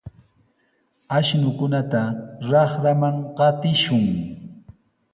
Ashnukunata raqraman qatishun.